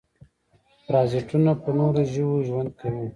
پرازیتونه په نورو ژویو ژوند کوي